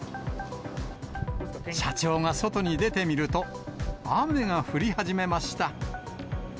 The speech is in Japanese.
社長が外に出てみると、雨が降り始めました。